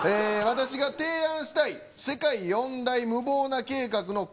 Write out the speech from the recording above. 私が提案したい世界四大無謀な計画の候補はですね